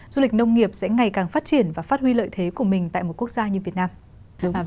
du lịch nông nghiệp sẽ ngày càng phát triển và phát huy lợi thế của mình tại một quốc gia như việt nam